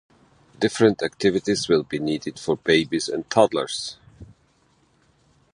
Different activities will be needed for babies and toddlers.